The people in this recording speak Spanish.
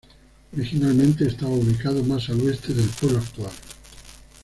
Originalmente estaba ubicado más al oeste del pueblo actual.